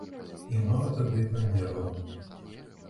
І мама тады памерла.